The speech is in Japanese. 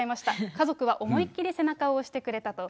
家族は思いっ切り背中を押してくれたと。